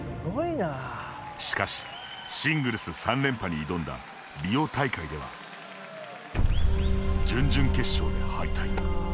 しかし、シングルス３連覇に挑んだリオ大会では準々決勝で敗退。